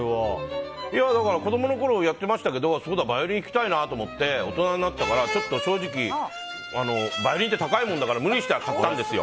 子供のころやってましたけどそうだ、バイオリンを弾きたいなと思ってちょっと正直、バイオリンって高いものだから無理して買ったんですよ。